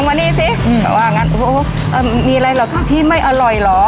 อ้าวมานี่สิเขาว่างั้นอ่อมีไรเหรอคะพี่ไม่อร่อยเหรอ